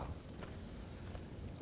belah terang dalam komunitas internasional